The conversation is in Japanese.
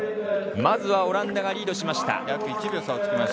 まずはオランダがリードしました。